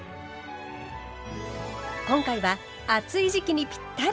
今回は暑い時期にぴったり！